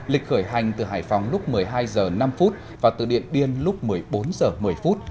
lịch khởi hành từ hải phòng lúc một mươi hai h năm và từ điện biên lúc một mươi bốn h một mươi phút